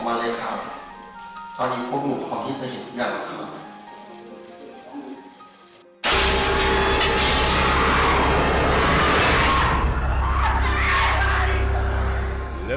มันมีอุปกรณ์มาหรือเคยมานอนแล้ว